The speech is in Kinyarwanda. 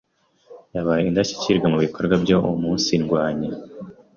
yabaye Indashyikirwa mu bikorwa byo umunsirwanya